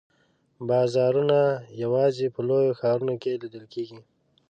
بازارونه یوازي په لویو ښارونو کې لیده کیږي.